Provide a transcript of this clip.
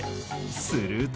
すると。